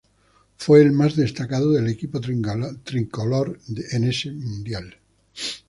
Fue el más destacado del equipo tricolor en ese Mundial.